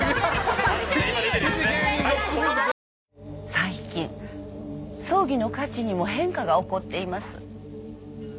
最近葬儀の価値にも変化が起こっています。